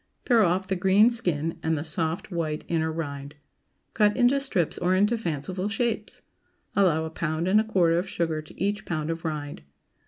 Pare off the green skin, and the soft, white, inner rind. Cut into strips or into fanciful shapes. Allow a pound and a quarter of sugar to each pound of rind.